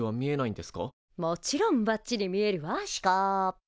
もちろんばっちり見えるわシュコー。